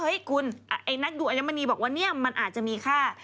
คุณไอ้นักดูอัญมณีบอกว่าเนี่ยมันอาจจะมีค่า